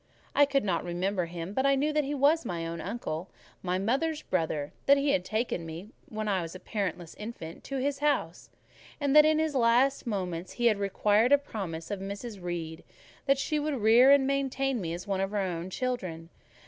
I could not remember him; but I knew that he was my own uncle—my mother's brother—that he had taken me when a parentless infant to his house; and that in his last moments he had required a promise of Mrs. Reed that she would rear and maintain me as one of her own children.